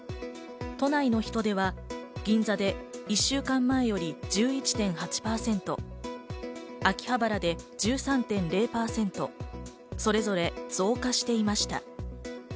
都内の人出は銀座で１週間前より１１．８％、秋葉原で１３．０％、それぞれ増加していました。